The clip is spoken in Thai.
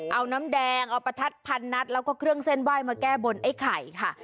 เอาน้ำแดงเอาประทัดพันนัดแล้วก็เครื่องเส้นไหว้มาแก้บนไอ้ไข่ค่ะ